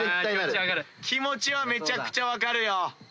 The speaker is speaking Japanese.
気持ちはめちゃくちゃ分かるよ。